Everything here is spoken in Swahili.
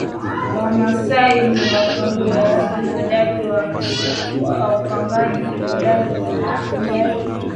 Wamasai ni wapiganaji hodari na wafugaji